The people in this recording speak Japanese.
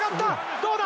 どうだ？